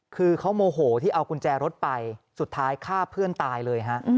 คือเขาโมโหที่เอากุญแจรถไปสุดท้ายฆ่าเพื่อนตายเลยฮะ